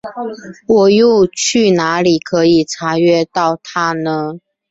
我又去哪里可以查阅到它呢？